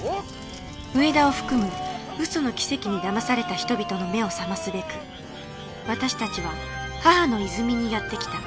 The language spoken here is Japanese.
上田を含む嘘の奇跡に騙された人々の目を覚ますべく私たちは母之泉にやって来た